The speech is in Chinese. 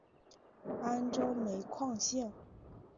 安州煤矿线